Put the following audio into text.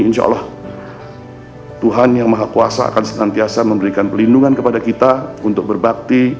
insya allah tuhan yang maha kuasa akan senantiasa memberikan pelindungan kepada kita untuk berbakti